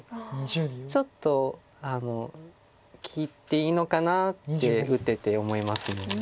ちょっと切っていいのかなって打ってて思います。